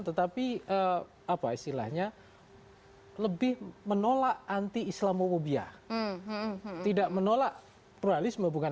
tetapi apa istilahnya lebih menolak anti islamofobia tidak menolak pluralisme bukan